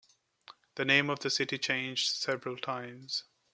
The name of the city changed several times.